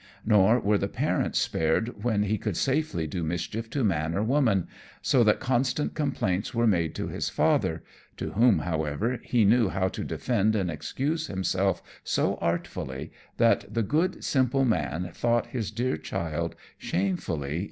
Nor were the parents spared when he could safely do mischief to man or woman, so that constant complaints were made to his father, to whom, however, he knew how to defend and excuse himself so artfully that the good simple man thought his dear child shamefully ill used.